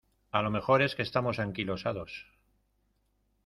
a lo mejor es que estamos anquilosados.